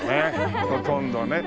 ほとんどね。